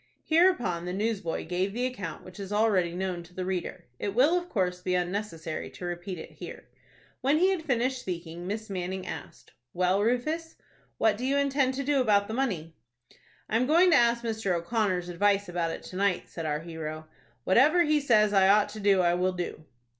Hereupon the newsboy gave the account which is already known to the reader. It will, of course, be unnecessary to repeat it here. When he had finished speaking, Miss Manning asked, "Well, Rufus, what do you intend to do about the money?" "I am going to ask Mr. O'Connor's advice about it to night," said our hero. "Whatever he says I ought to do, I will do."